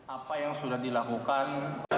apa yang sudah dilakukan